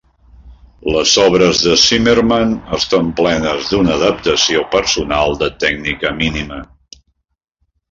Les obres de Zimmermann estan plenes d'una adaptació personal de tècnica mínima.